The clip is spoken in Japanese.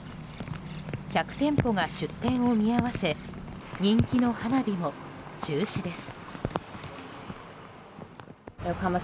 １００店舗が出店を見合わせ人気の花火も中止です。